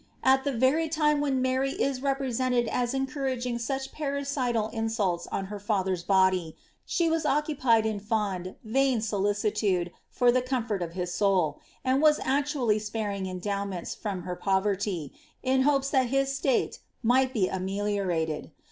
At ilie very lime when Mary is repraBenied as encouraging such parrj ciilal insulut ou Iter Tutber's bodvi she was occupied ia I'und, vain sulicV (udr, for the conilnri a{ his kouI ; and was eciiially sparing endnwiiienia from her poverty, in hopea that his state might be ameliorateil.